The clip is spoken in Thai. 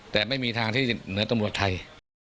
แต่ไม่มีทางที่เหนือตำรวจไทย